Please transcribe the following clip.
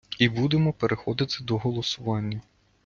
І будемо переходити до голосування.